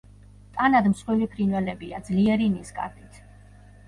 ტანად მსხვილი ფრინველებია, ძლიერი ნისკარტით.